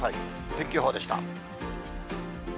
天気予報でした。